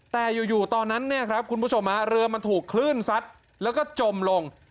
แต่อยู่ตอนนั้นคุณผู้ชมเรือมันถูกคลื่นซัดแล้วก็จมลง